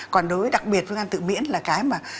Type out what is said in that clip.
còn đối với đặc biệt viêm gan tự miễn là cái mà